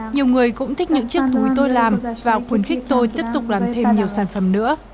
nhiều người cũng thích những chiếc túi tôi làm và khuyến khích tôi tiếp tục làm thêm nhiều sản phẩm nữa